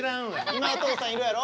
今お父さんいるやろ？